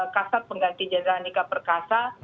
kasat pengganti jenderal andika perkasa